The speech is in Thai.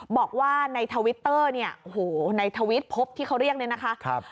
บอกว่าในทวิตเตอร์เนี่ยโอ้โหในทวิตพบที่เขาเรียกเนี่ยนะคะ